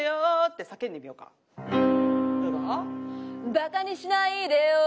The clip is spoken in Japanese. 「馬鹿にしないでよ」